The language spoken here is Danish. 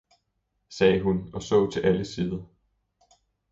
sagde hun og så til alle sider.